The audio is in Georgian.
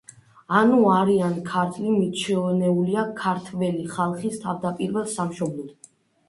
ანუ არიან-ქართლი მიჩნეულია ქართველი ხალხის თავდაპირველ სამშობლოდ.